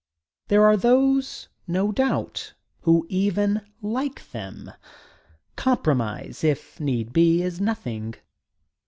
There are those, no doubt, who even like them. Compromise, if need be, is nothing.